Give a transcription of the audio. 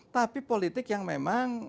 tapi politik yang memang